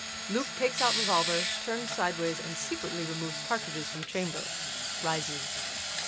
LUKE. [_Takes out revolver, turns sidewise and secretly removes cartridges from chamber. Rises.